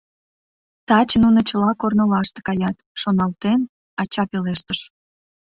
— Таче нуно чыла корнылаште каят, — шоналтен, ача пелештыш.